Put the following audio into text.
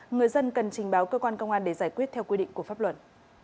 người dân cần trình báo cơ quan công an để giải quyết theo quy định của pháp luật